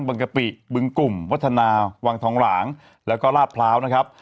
กะปิบึงกลุ่มวัฒนาวังทองหลางแล้วก็ลาดพร้าวนะครับ